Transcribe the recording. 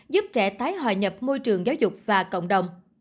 giúp trẻ tái hòa nhập môi trường giáo dục và cộng đồng